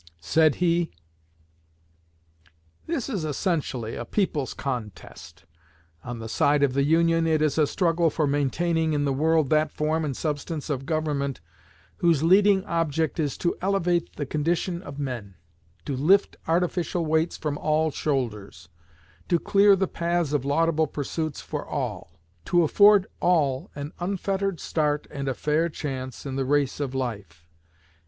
Said he: This is essentially a people's contest. On the side of the Union it is a struggle for maintaining in the world that form and substance of government whose leading object is to elevate the condition of men; to lift artificial weights from all shoulders; to clear the paths of laudable pursuits for all; to afford all an unfettered start and a fair chance in the race of life.